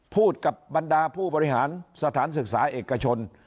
พูดกับบรรดาผู้บริหารสถานศึกษาเอกชน